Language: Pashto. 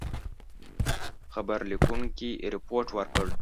خبر لیکونکي رپوټ ورکړ.